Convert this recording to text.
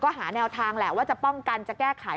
หาแนวทางแหละว่าจะป้องกันจะแก้ไข